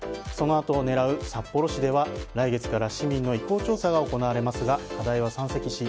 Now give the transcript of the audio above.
そのあとを狙う札幌市では来月から市民の意向調査が行われますが課題は山積。